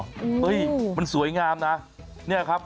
เฮ้ยมันสวยงามนะ